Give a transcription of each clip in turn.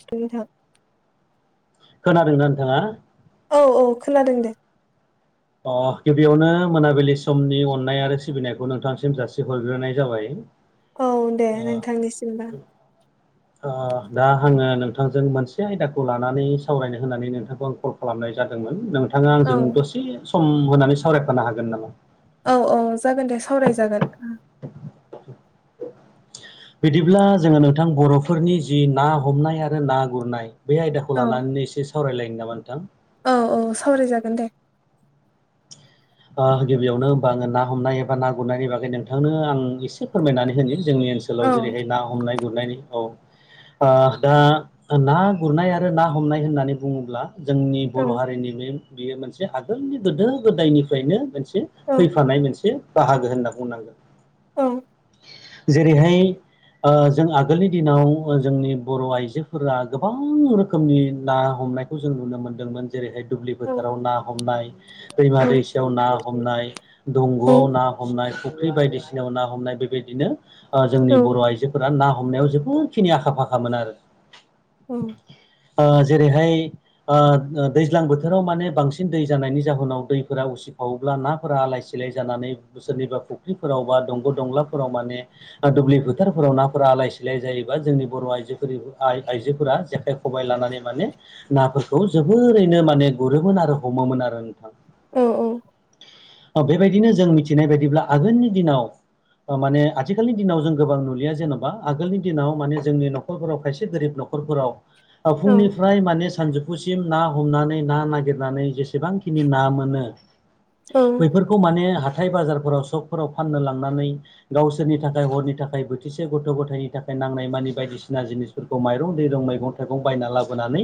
स थाब [unintelligible] खोनादोंना नोंथाङा? औ औ खोनादों दे। अ गिबियावनो मोनाबिलि समनि अननाय आरो सिबिनायखौ नोंथांसिम जासिहरग्रोनाय जाबाय। औ दे ओ नोंथांनिसिमबो दा आङो नोंथांजों मोनसे आयदाखौ लानानै सावरायनो होननानै नोंथांखौ आं कल खालामनाय जादों नोंथाङा औ आंजों दसे सम होनानै सावरायफानो हागोन नामा? औ औ जागोन दे सावराय जागोन । [inaudible] बिदिब्ला जोङो नोंथां बर'फोरनि जि ना हमनाय आरो ना गुरनाय बे आयदाखौ औ लानानै एसे सावरायलायनो नामा नोंथां? औ औ सावरायजागोन दे। गिबियावनो होमबा आङो ना हमनाय एबा ना गुरनायनि बागै नोंथांनो आं एसे फोरमायनानै होनो जोंनि औ ओनसोलाव जेरैहाय ना हमनाय गुरनायनि औ ओ दा ना गुरनाय आरो ना हमनाय होननानै बुङोब्ला जोंनि बर' हारिनि बे बियो मोनसे आगोलनि गोदो गोदायनिफ्रायनो मोनसे औ फैफानाय मोनसे बाहागो होनना बुंनांगोन। औ जेरैहाय जों आगोलनि दिनाव जोंनि बर' आइजोफोरा गोबां रोखोमनि ना हम हमनायखौ जों नुनो मोनदोंमोन जेरैहाय दुब्लि औ फोथाराव ना हमनाय दैमा दैसायाव ना हमनाय। औ दंग'आव ना हमनाय फुख्रि बायदिसिनायाव ना हमनाय बेबायदिनो जोंनि बर' आइजोफोरा ना हमनायाव जोबोदखिनि आखा फाखामोन आरो औ ओ जेरैहाय दैज्लां बोथोराव माने बांसिन दै जानायनि जाहोनाव दैफोरा उसिफावो। उसिफावोब्ला नाफोरा आलाय सिलाय जानानै सोरनिबा फुख्रिफोराव बा दंग' दंलाफोराव माने दुब्लि फोथारफोराव नाफोरा आलाय सिलाय जायोबा जोंनि बर' आइजोफोरा जेखाइ खबाइ लानानै। मे माने नाफोरखौ जोबोरैनो माने गुरोमोन आरो हमोमोन आरो नोंथां। औ औ बेबायदिनो जों मिथिनाय बायदिब्ला आगोलनि दिनाव माने आथिखालनि दिनाव जों गोबां नुलिया जेन'बा आगोलनि दिनाव माने जोंनि न'खरफोराव खायसे गोरिब न'खर फोराव फुंनिफ्राय माने सानजौफु सिम ना हमनानै ना नागिरनानै जेसेबांखिनि ना मोनो। बैफोरखौ माने हा हाथाइ बाजारफोराव सकफोराव फाननो लांनानै गावसोरनि थाखाय हरनि थाखाय बोथिसे गथ' गथायनि थाखाय नांनाय मानि बायदिसिना जिनिसफोरखौ माइरं दैरं मैगं थाइगं बायना लाबोनानै।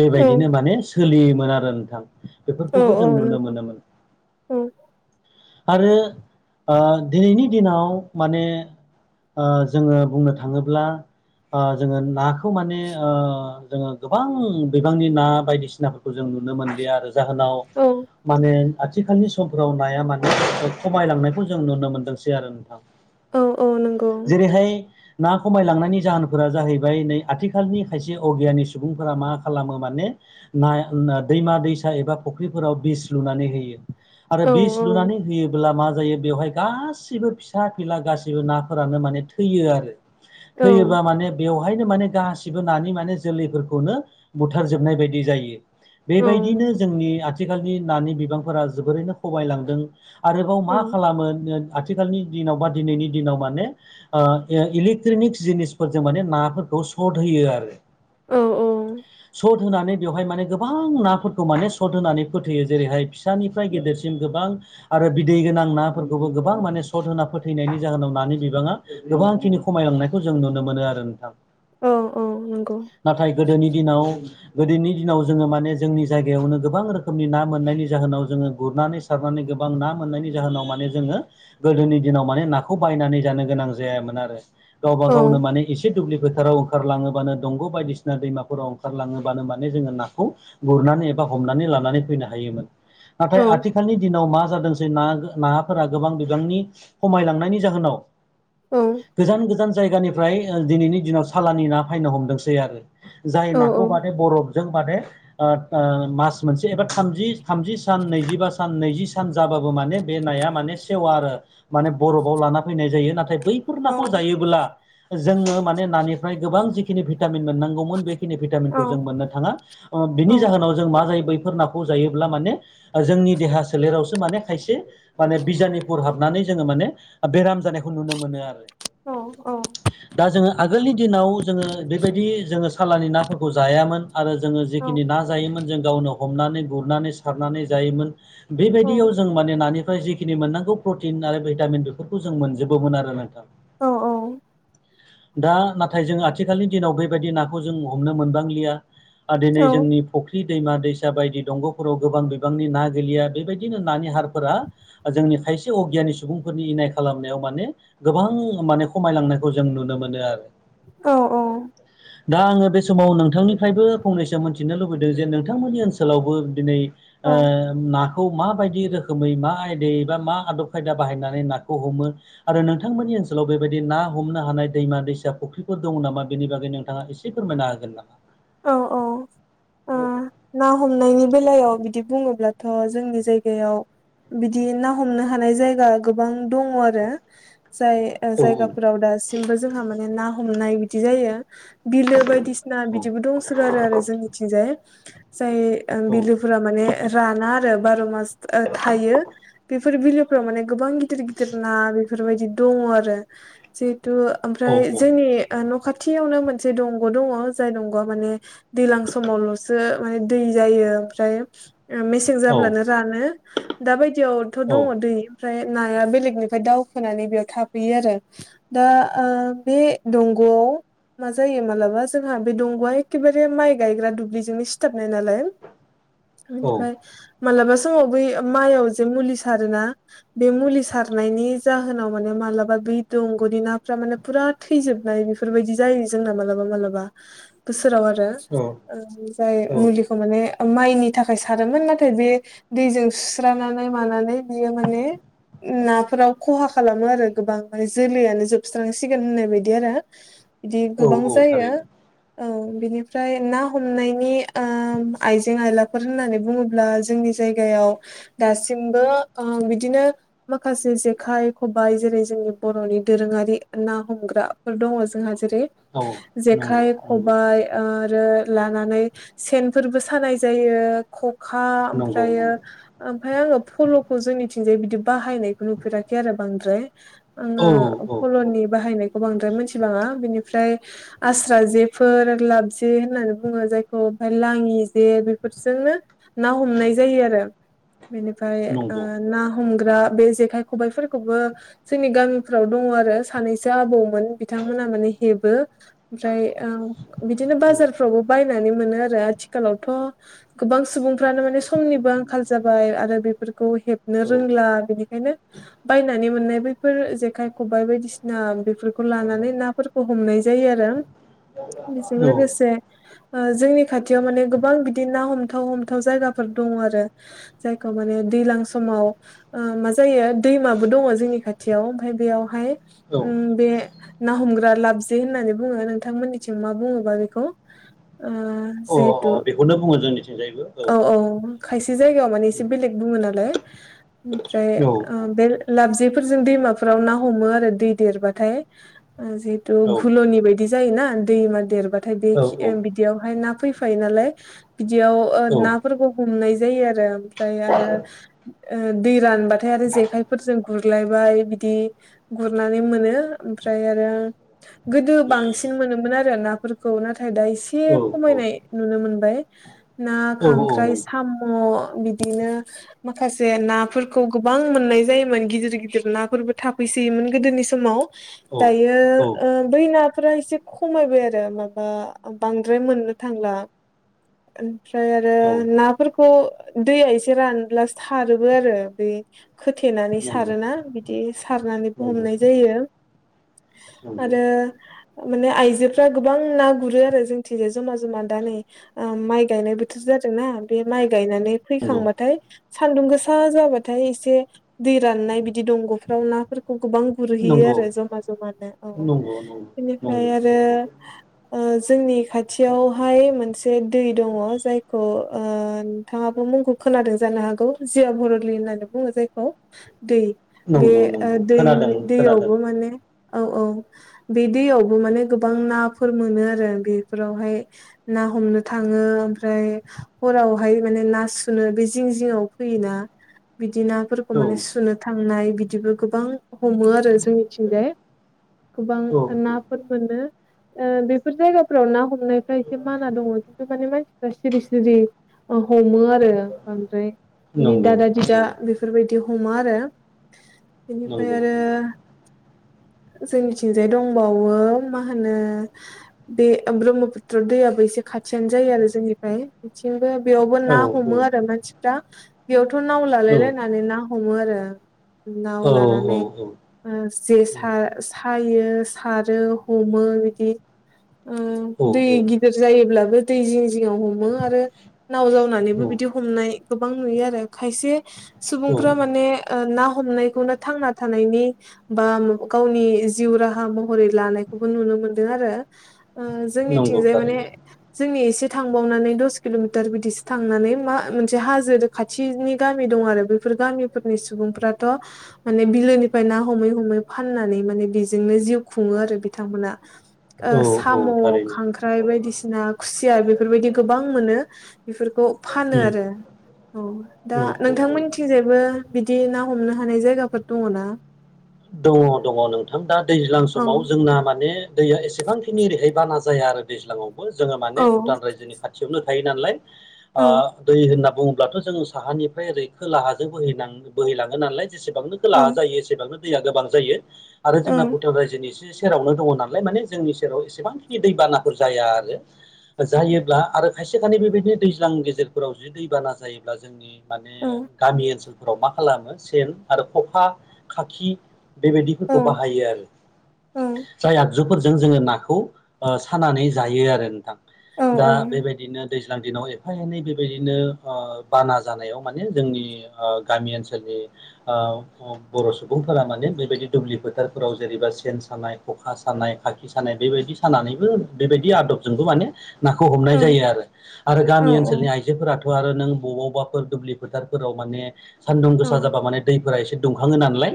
बेबायदिनो माने सोलियोमोन आरो नोंथां बेफोरखौबो जों नुनो मोनोमोन। उम आरो ओ दिनैनि दिनाव माने ओ जोङो बुंनो थाङोब्ला जोङो नाखौ माने जोङो गोबां बिबांनि ना बायदिसिनाफोरखौ जों नुनो मोनलिया आरो जाहोनाव औ माने आथिखालनि समफ्राव नाया माने खमायलांनायखौ जों नुनो मोनदोंसै आरो नोंथां। औ औ नंगौ जेरैहाय ना खमायलांनायनि जाहोनफोरा जाहैबाय नै आथिखालनि खायसे अगियानि सुबुंफोरा मा खालामो माने दैमा दैसा एबा फुख्रिफोराव बिस लुनानै होयो। आरो औ बिस लुनानै होयोब्ला मा जायो बेवहाय। गासिबो फिसा फिला गासिबो नाफोरानो माने थैयो आरो औ नंगौ औ होयोबा माने बेयाव बेवहायनो माने गासिबो नानि माने जोलैफोरखौनो बुथारजोबनाय बायदि जायो। बेबायदिनो जोंनि आथिखालनि नानि बिबांफोरा जोबोरैनो खमायलांदों। आरोबाव मा औ खालामो आथि आथिखालनि दिनाव बा दिनैनि दिनाव माने इलेकट्रनिक् जिनिसफोरजों माने नाफोरखौ सट होयो आरो औ सट होनानै बेवहाय माने गोबां नाफोरखौ माने सट होनानै फोथोयो जेरैहाय फिसानि गेदेरसिम गोबां आरो बिदै गोनां नाफोरखौबो गोबां माने सट होना फोथैनायनि जाहोनाव नानि बिब बाङा गोबांखिनि खमायलांनायखौ जों नुनो मोनो आरो नोंथां। औ औ नंगौ नाथाय गोदोनि दिनाव गोदोनि दिनाव जोङो माने जोंनि जायगायावनो गोबां रोखोमनि ना मोननायनि जाहोनाव जोङो गुरनानै सनानै गोबां ना मोननायनि जोनाव म जोङो गोदोनि दिनाव मे नाखौ बायनानै ज गोनां जायामोन आरो गावबा औ गावनो माने एसे दुब्लिके फोथाराव ओंखारलाङोबानो दंग' बायदिसिना दैमाफोराव ओंखारलाङोबानो माने जोङो नाखौ गुरनानै एबा हमनानै लानानै फैनो हायोमोन औ नाथाय आथिखालनि दिनाव मा जादोंसै न नाफोरा गोबां बिबांनि खमायलांनायनि जाहोनाव औ गोजान गोजान जायगानिफ्राय दिनैनि दिनाव सालानि ना फैनो हमदोंसै आरो। जाय औ नाखौ बादै बरफजों बादै मास मोनसे एबा थामजि थामजि सान नैजिबा सान नैजि सान जाबाबो माने बे नाया माने सेवा आरो माने बरफआव लाना फैनाय जायो नाथाय बैफोर नाखौ जायोबोब्ला जोङो माने नानिफ्राय गोबां जिखिनि भिटामिन मोननांगौमोन बेखिनि भिटामिनखौ जों मोननो थाङा। बिनि जाहोनाव जों मा जायो बैफोर नाखौ जायोब्ला माने जोंनि देहा सोलेरावसो माने खायसे माने बिजानुफोरुर हाबनानै जोङो माने बेराम जानाय नुनो मोनो आरो। औ दा जोङो आगोलनि दिनाव जोङो बेबायदि जोङो सालानि नाफोरखौ जायामोन आरो जोङो औ जिखिनि ना जायोमोन जों गावनो हमनानै गुरनानै सारनानै जायोमोन औ बेबायदियाव जों माने नानिफ्राय जिखिनि मोननांगौ प्रटिन आरो भिटामिन बेफोरखौ जों मोनजोब बोमोन आरो नोंथां औ दा नाथाय जों आथिखालनि दिनाव बेबायदि नाखौ जों हमनो मोनबांलिया। औ दिनै जोंनि फुख्रि दैमा दैसा बायदि दंग'फोराव गोबां बिबांनि ना गैलिया बेबायदिनो नानि हारफोरा जोंनि खायसे अगियानि सुबुंफोरनि इनाय खालामनायाव माने गोबां माने खमायलांनायखौ जों नुनो मोनो आरो। औ दा आङो बे समाव नोंथांनिफ्रायबो फंनैसो मिथिनो लुबैदों जे नोंथांमोननि ओनसोलावबो दिनै औ ओ ना खौ मााबायदि रोखोमै मा आयदायै बा मा आदब खायदा बाहायनानै नाखौ हमो आरो नोंथांमोननि ओनसोलाव बेबायदि ना हमनो हानाय दैमा दैसा फुख्रिफोर दङ नामा बेनि बागै नोंथाङा एसे फोरमायना होगोन नामा? औ औ ना हमनायनि बेलायाव बिदि बुङोब्लाथ' जोंनि जायगायाव बिदि ना हमनो हानाय जायगा गोबां दङ आरो। जाय औ जायगाफोराव दासिमबो जोंहा माने ना हमनाय बिदि जायो। बिलो बायदिसिना औ बिदि दंसोगारो आरो जोंनि थिंजाय जाय बिलोफोरा माने राना। बारमास थायो। बेफोर बिलफोराव माने गोबां गिदिर गिदिर ना बेफोरबायदि दङ आरो जि त' ओमफ्राय औ जोंनि न' खाथियावनो मोनसे दंग' दङ। जाय नंगौ माने दैजलां समावल'सो माने दै जायो ओमफ्राय मेसें जाब्लानो रानो दा बायदियावथ' दङ दै। ओमफ्राय नाया बेलेगनिफ्राय दावखोनानै बेयाव थाफैयो आरो दा बे दंग मा जायो मालाबा ज नहा बे दंग'आ एखेबारे माइ गायग्रा दुब्लिजोंनो सिथाबनाय नालाय। बिनिफ्राय मालाबा समाव बै माइयाव जे मुलि सारोना बे मुलि सारनायनि जाहोनाव माने मालाबा बे दंग'नि नाफ्रा माने फुरा थैजोबनाय बेफोरबायदि जायो जोंना मालाबा मालाबा। बोसोराव आरो जाय औ औ मुलिखौ माने माइनि थाखाय सारोमोन नाथाय बे दैजों सुस्रानानै मानानै बियो माने नाफोराव खहा खालामो आरो गोबां माने जोलैयानो जोबस्रांसिगोन होननाय बायदि आरो। बिदि औ गोबां औ जायो। थारैनो औ बिनिफ्राय ना हमनायनि ओ आइजें आइलाफोर होननानै बुङोब्ला जोंनि जायगायाव दासिबो ओ बिदिनो माखासे जेखाय खबाइ जेरै जोंनि बर'नि दोरोङारि ना हमग्राफोर दङ जोंहा जेरै औ नंगौ जेखाय नंगौ खबाइ ओ। आरो लानानै सेनफोरबो सानाय जायो। खा नंगौ ओमफ्रायो नंगौ ओमफ्राय आङो फल'खौ जोंनिथि जाय बिदि बाहायनायखौ नुफेराखै आरो बांद्राय औ ओ औ औ फल'नि बाहायनाय बांद्राय मोनथिबाङा बिनिफ्राय आस्रा जे ना हमनाय जायो आरो बेनिफ्राय ओ नंगौ ना हमग्रा बे जेखाय खबाइफोरखौबो जोंनि गामिफ्राव दङ आरो सानैसो आबौमोन बिथांमोना माने, हेबो ओमफ्राय ओ बिदिनो बाजारफ्रावबो बायनानै, मोनो आरो आथिखालावथ गोबां सुबुं, फ्रानो माने समनिबो आंखाल जाबाय आरो बेफोरखौ हेबनो रोंला बेनिखायनो बायनानै, मोननाय बैफोर जेखाइ खबाइ बायदिसिना बेफोरखौ लानानै नाफोरखौ हमनाय जायो आरो बेजों औ लोगोसे जोंनि खाथियाव माने गोबां बिदि ना हम थाव हमथाव जायगाफोर दङ आरो जायखौ माने दैलां समाव ओ मा जायो। दैमाबो दङ जोंनि खाथियाव ओमफाय बेयावहाय औ उम बे ना हमग्रा लाबजे होननानै बुङो नों, नोंथांमोननिथिं मा बुङोबा बेखौ ओ अ अ जिहेथु बेखौनो बुङो जोंनि औ औ खायसे जायगायाव माने एसे बेलेग बुङो नालाय, ओमफ्राय औ ओ बे लाबजे, फोरजों दैमाफोराव ना हमो आरो दै देरबाथाय ओ जिहेतु घुलुनि बाय जायोना दैमा देरबाथाय बे खि बिदियावहाय ना फैफायो नालाय, बिदियाव नाफोरखौ हमनाय जायो आरो ओमफ्राय आरो ओ दै रानबाथाय आरो जेखायफोरजों गुर ग्लायबाय बिदि गुरनानै मोनो ओमफ्राय आरो गोदो बां सिन मोनोमोन आरो नाफोरखौ नाथाय दा एसे खमायनाय नुनो मोनबाय, ना खांख्राइ साम' बिदिनो माखासे नाफोरखौ गोबां मोननाय जायोमोन गिदिर गिदिर नाफोरबो थाफै सोयोमोन गोदोनि समाव दायो औ ओ बैना, फोरा एसे खमायबाय आरो माबा बांद्राय मोननो थांला ओमफ्राय आरो औ नाफोरखौ दैया एसे रानब्लासो सारोबो आरो बे खोथेनानै सारोना बिदि नंगौ औ सारनानैबो हमनाय जायो। औ आरो माने आइजोफ्रा गोबां ना गुरो आरो जोंथि जे जमा जमा दा नै माइ गायनाय बोथोर जा ओजोंना बे माइ गायनानै औ फैखांबाथाय, सान्दुं गोसा जाबाथाय एसे दै राननाय बिदि दंगफ्राव नाफोरखौ गोबां नंगौ गुरहैयो आरो जमा जमानो औ नंगौ नंगौ नंगौ नंगौ बेनिफ्राय औ आरो जोंनि खाथियावहाय मोनसे दै दङ जायखौ ओ नोंथाङाबो मुंखौ खोनादों जानो हागौ जिया भरलि होननानै बुङो जायखौ, दै बे नंगौ नंगौ दै खोनादों खोनादों दैयावबो माने औ औ बे दैयावबो माने गोबां नाफोर मोनो आरो बेफोरावहाय ना हमनो थाङो, ओमफ्राय हरावहाय माने ना सुनो बे जिं जिङाव फैयोना? [inaudible] दि नाफोरखौ औ माने सुनो थांनाय, बिदिबो गोबां हमो आरो जोंनिथिंजाय गोबां औ औ नाफोर मोनो, ओ बेफोर जायगाफोराव ना हमनायफ्रा एसे माना दङ खिन्थु माने मानसि, फ्रा सिरि सिरि अह हमो आरो बांद्राय बिनि नंगौ दादा दिदा औ बेफोरबायदि, हमा आरो बेनिफ्राय नंगौ आरो नंगौ जों निथिंजाय दं। बावो मा होनो बे ब्रह्मपुत्र दैयाबो एसे खाथियानो जायो। आरो जोंनि, फ्राय मिथिंबो, बेयावबो ना औ औ हमो औ आरो मानसिफ्रा बेयावथ' नाव औ लालाय लायनानै ना हमो आरो नाव औ लानानै जे सा सायो। सारो हमो बिदि ओ औ दै गिदिर जायोब्लाबो बे दै जिं जिङाव हमो आरो नाव औ जावनानैबो औ बिदि हमनाय गोबां नुयो आरो खायसे सुबुंफ्रा माने ना हमनायखौनो थांना था नायनि बा गावनि जिउ राहा म हरै लानायखौबो नुनो मोनदों आरो ओ नंगौ जोंनिथिंजाय माने थारैनो जोंनि एसे थांबावनानै दस किल'मिटार‌ बिदिसो थांनानै मा मोनसे हाजो खाथिनि गामि दं आरो बेफोर गामिफोरनि सुबुंफ्राथ' माने बिलोनिफ्राय ना हमै-हमै फाननानै माने बेजोंनो जिउ खुङो आरो बिथांमोना औ औ साम' थारैनो खांख्राइ बायदिसिना खुसिया बेफोरबायदि गोबां मोनो बेफोरखौ फानो उम आरो औ दा औ औ औ नोंथांमोननिथिंजायबो बिदि ना हमनो हानाय जायगाफोर दङ ना दङ दङ नोंथां दा दैज्लां औ समाव जोंना माने दैया एसेबांखिनि ओरैहाय बाना जाया आरो दैज्लांआवबो जोङो औ माने भुटान रायजोनि खाथियावनो थायो नालाय औ ओ दै होनना बुङोब्लाथ' जोङो साहानिफ्राय ओरै खोलाहाजों बोहै बोहैलाङो नालाय जेसेबांनो औ खोलाहा जायो एसेबांनो दैया गोबां जायो आरो औ जोंना भुटान रायजोनि एसे सेरावनो दङ नालाय माने जोंनि सेराव एसेबांखिनि दैबानाफोर जाया आरो जायोब्ला आरो खायसे खायनै बेबायदिनो दैज्लां गेजेरफोराव जुदि दैबाना जायोब्ला जोंनि माने औ गामि ओनसोलफोराव मा खालामो सेन आरो खखा खाखि औ बेबायदिफोरखौ बाहायो आरो औ जायहा जंफोरजों जोङो नाखौ ओ सानानै जायो आरो नोंथां औ दा बेबायदिनो दैज्लां दिनाव एफा एनै बेबायदिनो ओ बाना जानायाव माने जोंनि ओ गामि ओनसोल ओ बर' सुबुं फोरा माने बेबायदि दुब्लि फोथारफोराव जेरैबा सेन सानाय ख'खा सानाय खाखि सानाय बेबायदि सानानैबो बेबायदि आदबजोंबो माने नाखौ औ हमनाय जायो आरो औ गामि ओनसोलनि आइजोफोराथ' आरो नों बबावबाफोर दुब्लि फोथारफोराव माने सान्दुं औ गोसा जाबा माने दैफोरा एसे दुंखाङो नालाय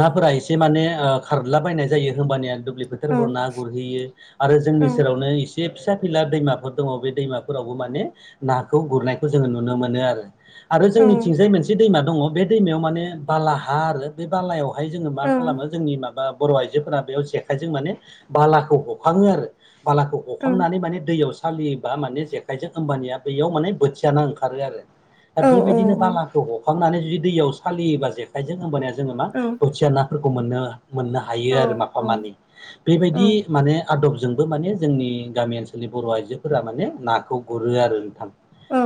नाफोरा एसे माने खारला बायनाय जायो होमबानिया दुब्लि औ फोथारफोराव ना गुरहैयो आरो जोंनि औ सेरावनो जे फिसा फिला दैमाफोर दङ बे दैमाफोरावबो माने नाखौ गुरनायखौ जोङो नुनो मोनो आरो आरो जोंनिथिंजाय मोनसे दैमा दङ बे दैमायाव माने बालाहा आरो बे बालायाव बाहाय जोङो मा खालामो जोंनि माबा बर' आइजोफोरा बेयाव जेखाइजों माने बालाखौ हखाङो आरो बालाखौ हखांनानै माने दैयाव सालियोबा माने जेखाइजों होमबानिया बैयाव माने बोथियाना ओंखारो आरो दा बेबायदिनो बालाखौ हखांनानै जुदि दैयाव सालियोबा जेखाइजों होमबानिया जोङो मा बोथिया नाफोरखौ मोननो-मोननो हायो आरो माफा औ मानै औ बेबायदि माने आदबजोंबो माने जोंनि गामि ओनसोलनि बर' आइजोफोरा माने नाखौ गुरो आरो नोंथां [inaudible] औ